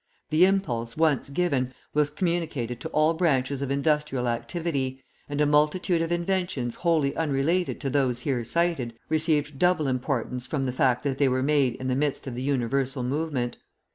The impulse, once given, was communicated to all branches of industrial activity, and a multitude of inventions wholly unrelated to those here cited, received double importance from the fact that they were made in the midst of the universal movement.